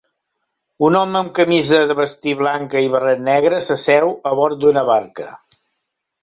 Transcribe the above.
Un home amb camisa de vestir blanca i barret negre s'asseu a bord d'una barca.